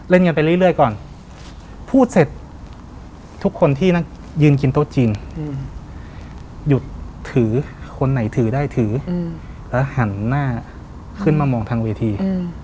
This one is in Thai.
กันไปเรื่อยก่อนพูดเสร็จทุกคนที่ยืนกินโต๊ะจีนหยุดถือคนไหนถือได้ถือแล้วหันหน้าขึ้นมามองทางเวที